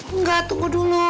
enggak tunggu dulu